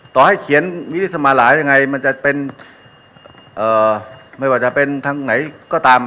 ต่อให้เขียนวินิสมาหลายยังไงมันจะเป็นไม่ว่าจะเป็นทางไหนก็ตาม